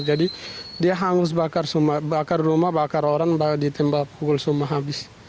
jadi dia hangus bakar rumah bakar orang ditembak pukul semua habis